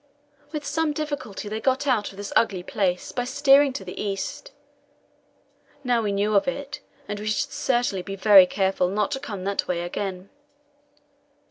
With some difficulty they got out of this ugly place by steering to the east. Now we knew of it, and we should certainly be very careful not to come that way again.